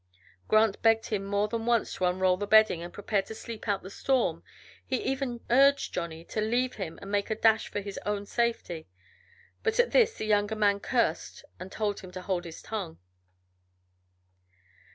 Grant begged him more than once to unroll the bedding and prepare to sleep out the storm; he even urged Johnny to leave him and make a dash for his own safety, but at this the younger man cursed and told him to hold his tongue.